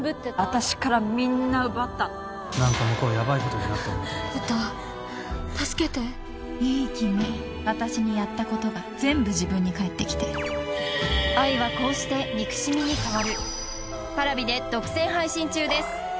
あたしからみんな奪ったのなんか向こうやばいことになってるみたい助けていい気味私にやったことが全部自分に返ってきてる愛はこうして憎しみに変わるＰａｒａｖｉで独占配信中です